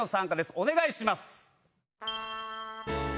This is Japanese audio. お願いします。